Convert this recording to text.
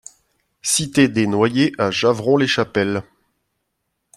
Cité des Noyers à Javron-les-Chapelles